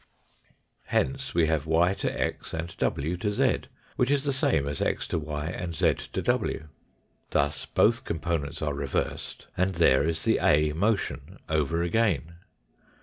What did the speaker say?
Hence we have y to x and w to 0, which is the same as x to y and z to w. Thus both components are reversed, and there is the A motion over again.